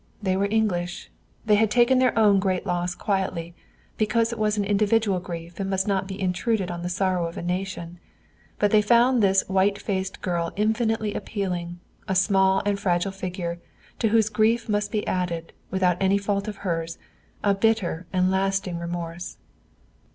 They were English. They had taken their own great loss quietly, because it was an individual grief and must not be intruded on the sorrow of a nation. But they found this white faced girl infinitely appealing, a small and fragile figure, to whose grief must be added, without any fault of hers, a bitter and lasting remorse.